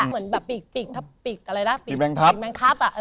เหมือนแบบปีกปีกทับปีกอะไรนะปีกแมงทับปิดแมงคับอ่ะ